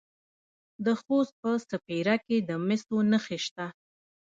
د خوست په سپیره کې د مسو نښې شته.